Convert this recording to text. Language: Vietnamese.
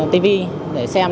tv để xem